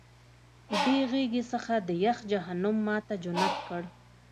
دې غېږې هغه د یخ جهنم ما ته جنت کړ